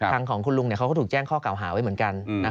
ทางของคุณลุงเขาก็ถูกแจ้งข้อเก่าหาไว้เหมือนกัน